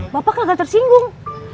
bapak kagak tersinggung